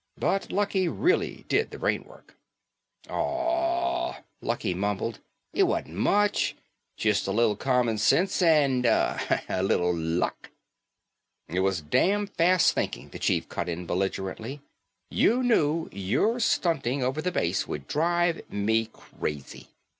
But Lucky really did the brainwork." "Awww," Lucky mumbled, "it wasn't much. Just a little common sense and, uh, a little luck." "It was damn fast thinking," the chief cut in belligerently, "you knew your stunting over the base would drive me crazy.